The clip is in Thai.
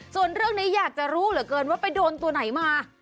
ส่วนเรื่องนี้อยากจะรู้เหลือเกินว่าไปโดนตัวไหนมา